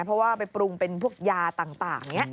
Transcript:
เพราะว่าไปปรุงเป็นพวกยาต่างอย่างนี้